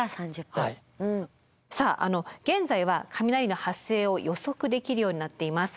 さあ現在は雷の発生を予測できるようになっています。